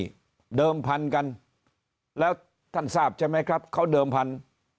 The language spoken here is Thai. เดิมพันธุ์กันแล้วท่านทราบใช่ไหมครับเขาเดิมพันธุ์